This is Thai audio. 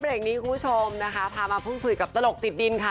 เพลงนี้คุณผู้ชมพามาพึ่งสุดกับตลกติดดินค่ะ